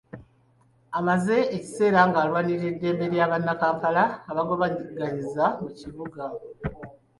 Amaze ekiseera ng’alwanirira eddembe lya bannakampala abagobaganyizibwa mu kibuga.